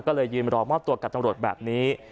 ก็เลยยืนรอมอบตัวกับตำรวจแบบนี้